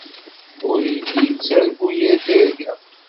Ur yelli yettargu yir tirga.